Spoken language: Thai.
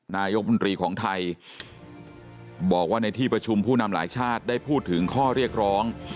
นายกมนตรีของไทยบอกว่าในที่ประชุมผู้นำหลายชาติได้พูดถึงข้อเรียกร้อง